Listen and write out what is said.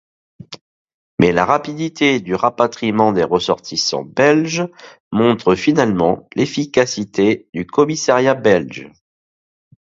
Mais la rapidité du rapatriement des ressortissants belges montre finalement l'efficacité du commissariat belge.